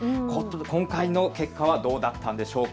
今回の結果はどうだったんでしょうか。